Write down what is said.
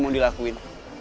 lo mau dilakuin